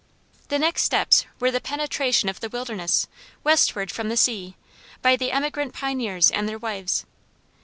The next steps were the penetration of the wilderness westward from the sea, by the emigrant pioneers and their wives.